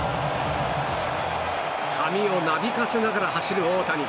髪をなびかせながら走る大谷。